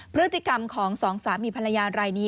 พฤติกรรมของ๒สามีพันธุ์ระยารายนี้